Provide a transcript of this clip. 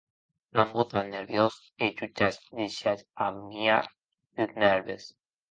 T’an botat nerviós e tu t’as deishat amiar des nèrvis.